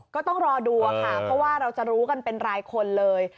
ก็ต้องรอดูค่ะเพราะว่าเราจะรู้กันเป็นรายคนเลย